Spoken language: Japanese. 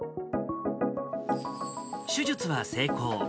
手術は成功。